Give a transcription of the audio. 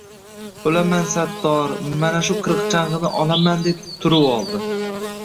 O‘laman sattor, mana shu qirchang‘ini olaman, deb turib oldi.